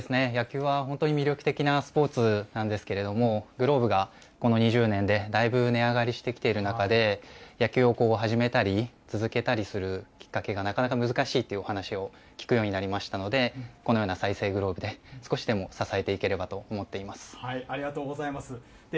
野球は本当に魅力的なスポーツなんですけれども、グローブがこの２０年でだいぶ値上がりしてきている中で、野球を始めたり、続けたりするのが難しいというお話を聞くようになりましたので、このような再生グローブで、少しでも支えていけたらとありがとうございます。